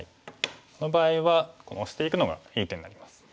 この場合はオシていくのがいい手になります。